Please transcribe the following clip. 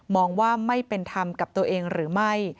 องว่าไม่เป็นธรรมกับตัวเองหรือไม่